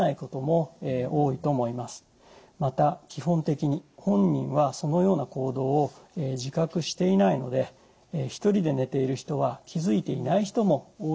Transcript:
また基本的に本人はそのような行動を自覚していないので１人で寝ている人は気づいていない人も多いのではないでしょうか。